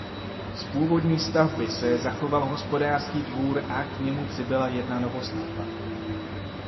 Z původní zástavby se zachoval hospodářský dvůr a k němu přibyla jedna novostavba.